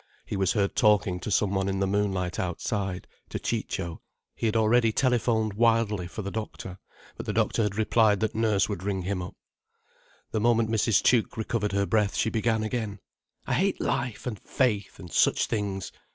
He was heard talking to some one in the moonlight outside. To Ciccio. He had already telephoned wildly for the doctor. But the doctor had replied that Nurse would ring him up. The moment Mrs. Tuke recovered her breath she began again. "I hate life, and faith, and such things.